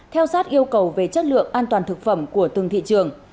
theo sát yêu cầu về chất lượng an toàn thực phẩm của từng thị trường